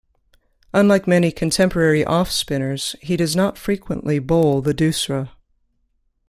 Unlike many contemporary off-spinners he does not frequently bowl the doosra.